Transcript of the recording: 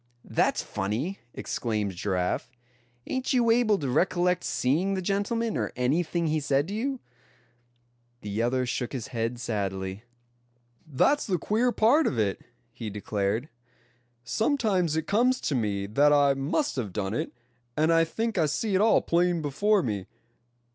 "That's funny!" exclaimed Giraffe. "Ain't you able to recollect seeing the gentleman, or anything he said to you?" The other shook his head sadly. "That's the queer part of it," he declared. "Sometimes it comes to me that I must have done it, and I think I see it all plain before me.